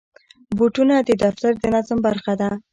بوټونه د دفتر د نظم برخه ده.